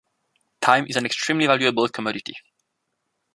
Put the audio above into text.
Time is an extremely valuable commodity.